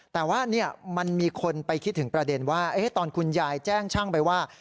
แต่ว่ามันมีคนไปคิดถึงประเด็นว่าตอนคุณยายแจ้งช่างไปว่า